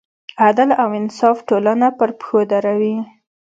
عدل او انصاف ټولنه پر پښو دروي.